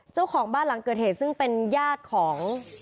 เจ้าของบ้านหลังเกิดเหตุซึ่งเป็นญาติของ